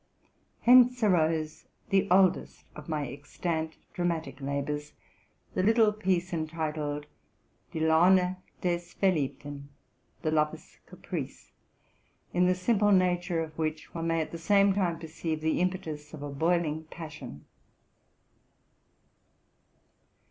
Hence arose the oldest of my extant dramatic labors, the little piece entitled, '' Die Laune des Verliebten'' ( The Lover's Caprice''), in the simple nature of which one may at the same time perceive the impetus of a boiling passion.